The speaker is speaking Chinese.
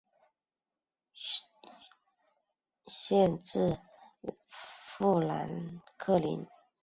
县治富兰克林。